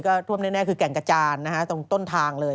ก็ท่วมแน่คือแก่งกระจานนะฮะตรงต้นทางเลย